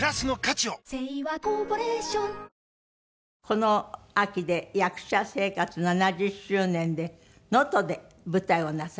この秋で役者生活７０周年で能登で舞台をなさる？